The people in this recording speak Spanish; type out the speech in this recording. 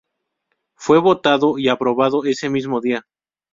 Fue votado y aprobado ese mismo día.